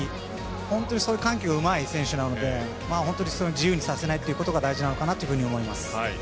本当に緩急がうまい選手なので本当に自由にさせないということが大事なのかなというふうに思います。